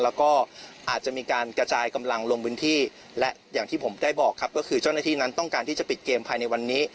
แล้วก็อาจจะมีการกระจายกำลังลงพื้นที่และอย่างที่ผมได้บอกครับก็คือเจ้าหน้าที่นั้นต้องการที่จะปิดเกมภายในวันนี้